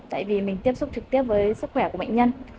tại vì mình tiếp xúc trực tiếp với sức khỏe của bệnh nhân